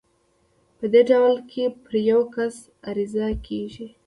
په دې ډول کې پر يو کس عريضه کېږي.